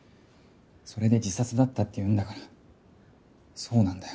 それで自殺だったって言うんだからそうなんだよ。